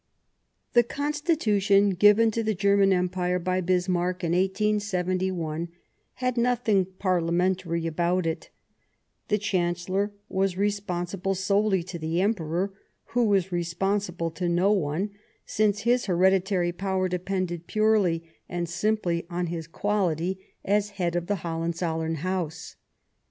The Constitution given to the German Empire by Bismarck in 1871 had nothing parHamentary about it ; the Chancellor was responsible Th^partles solely to the Emperor, who was re Relchstag sponsible to no one, since his hereditary power depended purely and simply on his quality as head of the Hohenzollern House.